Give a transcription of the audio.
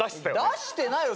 出してないよ。